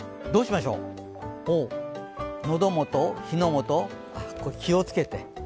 どうしましょう、のど元、火の元、気をつけて。